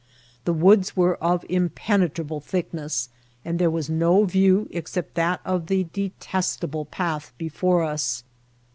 The woods were of impenetrable thickness ; and there was no view except that of the detestable path before us.